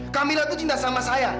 kamilah itu cinta sama saya